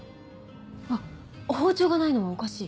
あっ包丁がないのはおかしい。